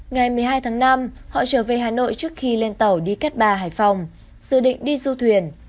ngày một mươi hai tháng năm họ trở về hà nội trước khi lên tàu đi cát bà hải phòng dự định đi du thuyền